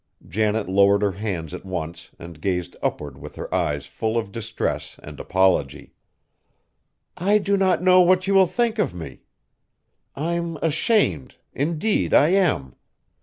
Janet lowered her hands at once and gazed upward with her eyes full of distress and apology. "I do not know what you will think of me! I'm ashamed, indeed I am.